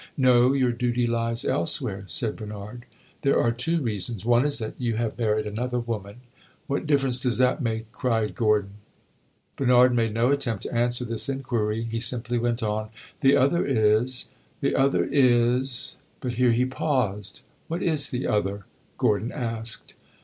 "No your duty lies elsewhere," said Bernard. "There are two reasons. One is that you have married another woman." "What difference does that make?" cried Gordon. Bernard made no attempt to answer this inquiry; he simply went on "The other is the other is " But here he paused. "What is the other?" Gordon asked.